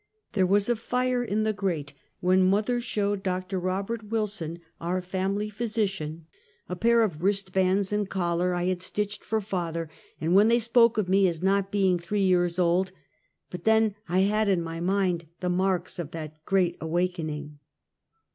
There was a fire in the grate when mother showed Dr. Robt. Wilson, our family ph3' sician, a pair of wristbands and collar I had stitched for father, and when they spoke of me as not being three years old — but then I had in my mind the marks of that "great awakening."